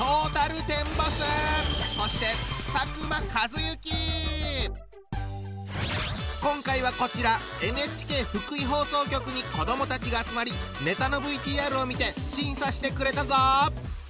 そして今回はこちらＮＨＫ福井放送局に子どもたちが集まりネタのＶＴＲを見て審査してくれたぞ。